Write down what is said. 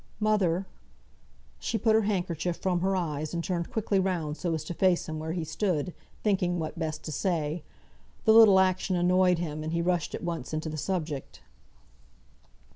"Mother!" She put her handkerchief from her eyes, and turned quickly round so as to face him where he stood, thinking what best to say. The little action annoyed him, and he rushed at once into the subject.